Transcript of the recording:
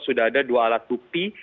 sudah ada dua alat bukti